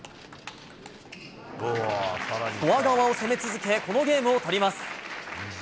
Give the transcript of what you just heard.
フォア側を攻め続け、このゲームを取ります。